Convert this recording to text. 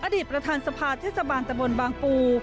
อดีตประธานสภาเทศบาลตะบนบางปู